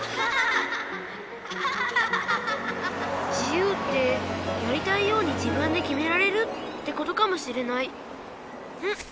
自由ってやりたいように自分できめられるってことかもしれないんっ。